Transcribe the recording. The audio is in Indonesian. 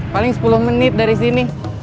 paling sepuluh menit dari sini